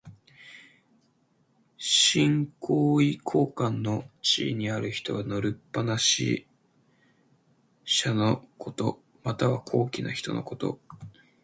身高位高官の地位にある人が乗るりっぱな車のこと。または、高貴な人のこと。